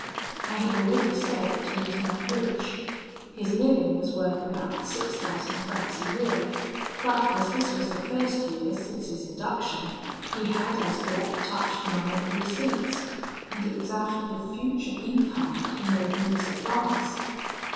I have already said that he was not rich. His living was worth about six thousand francs a year, but as this was the first year since his induction, he had as yet touched none of the receipts, and it was out of the future income that he made me this advance.